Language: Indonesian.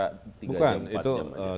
tiga jam empat jam aja bukan itu